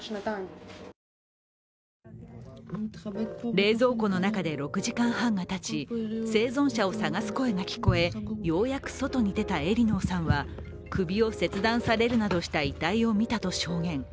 冷蔵庫の中で６時間半がたち、生存者を探す声が聞こえ、ようやく外に出たエリノーさんは、首を切断されるなどした遺体を見たと証言。